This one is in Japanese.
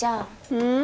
うん？